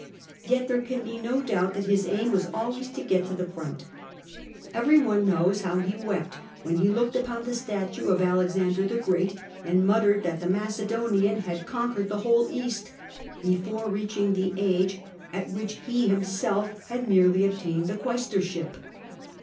Yet there can be no doubt that his aim was always to got to the front. Every one knows how he wept when he looked upon the statue of Alexander the Croat, and muttered that the Macedonian had conquered the whole Ea.st before reaching the age at whic.h he himself had merely obtained the quaestorship.